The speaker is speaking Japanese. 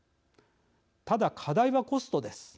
ただ課題はコストです。